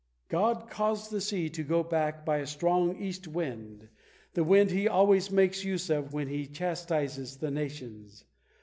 God caused the sea to go back by a strong east wind, the wind He always makes use of when He chastises the nations.